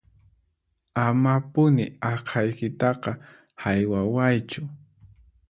Amapuni aqhaykitaqa haywawaychu